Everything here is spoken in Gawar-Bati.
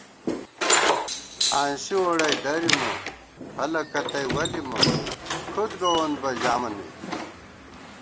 ہانسی ووڑَئی دَرِمہ، خلَکہ تئ ولِمہ، کُھد گووون بہ ژامہ نئ